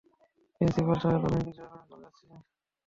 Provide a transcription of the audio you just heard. Principal সাহেব আমি নিজেও আগামীকাল যাচ্ছি।